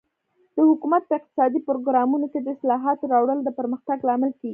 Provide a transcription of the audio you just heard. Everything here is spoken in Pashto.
د حکومت په اقتصادي پروګرامونو کې د اصلاحاتو راوړل د پرمختګ لامل کیږي.